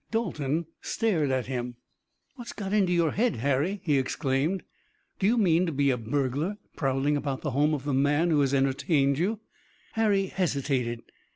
Dalton stared at him. "What's got into your head, Harry!" he exclaimed. "Do you mean to be a burglar prowling about the home of the man who has entertained you?" Harry hesitated.